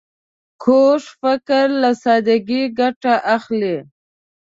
کوږ فکر له سادګۍ ګټه اخلي